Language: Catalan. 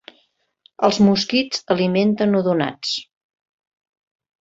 Els mosquits alimenten odonats.